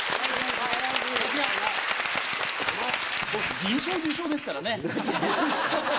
銀賞受賞ですからね。